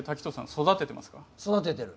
育ててる。